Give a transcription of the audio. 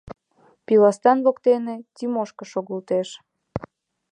Пиластан воктене Тимошка шогылтеш.